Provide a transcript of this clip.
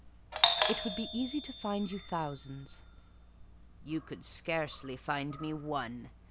"It would be easy to find you thousands." "You could scarcely find me one.